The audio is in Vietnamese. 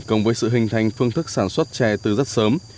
cộng với sự hình thành phương thức sản xuất chè từ rất sớm